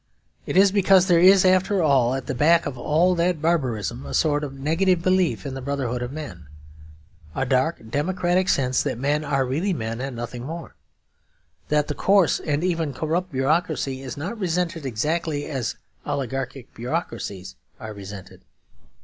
It is because there is after all, at the back of all that barbarism, a sort of a negative belief in the brotherhood of men, a dark democratic sense that men are really men and nothing more, that the coarse and even corrupt bureaucracy is not resented exactly as oligarchic bureaucracies are resented.